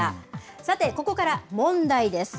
さて、ここから問題です。